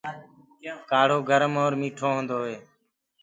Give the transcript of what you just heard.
ڪآڙهو گرم اور ميِٺو هوندو هي۔